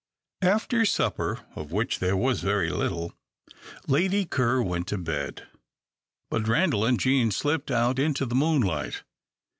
After supper, of which there was very little, Lady Ker went to bed. But Randal and Jean slipped out into the moonlight.